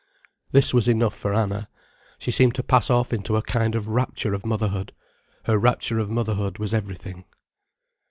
This was enough for Anna. She seemed to pass off into a kind of rapture of motherhood, her rapture of motherhood was everything.